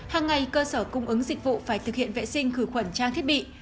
hàng ngày cơ sở cung ứng dịch vụ phải thực hiện vệ sinh khử khuẩn trang thiết bị